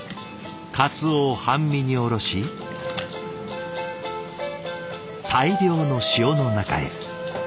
鰹を半身におろし大量の塩の中へ。